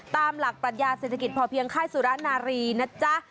ตามหลักปรัชญาเศรษฐกิจพอเพียงค่ายสุรนารีนะจ๊ะ